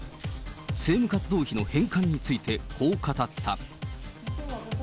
政務活動費の返還についてこう語った。